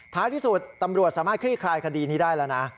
ที่สุดตำรวจสามารถคลี่คลายคดีนี้ได้แล้วนะ